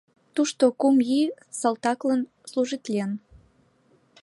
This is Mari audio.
Тушто кум ий салтаклан служитлен.